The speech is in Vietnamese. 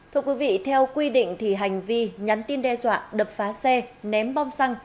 thưa quý vị theo quy định thì hành vi nhắn tin đe dọa đập phá xe ném bom xăng